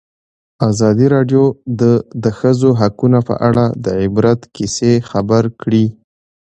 ازادي راډیو د د ښځو حقونه په اړه د عبرت کیسې خبر کړي.